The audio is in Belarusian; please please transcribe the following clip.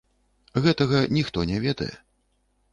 Гэтага ніхто не ведае.